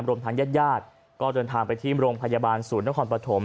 รวมทางญาติญาติก็เดินทางไปที่โรงพยาบาลศูนย์นครปฐม